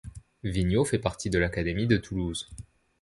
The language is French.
Vignaux fait partie de l'académie de Toulouse.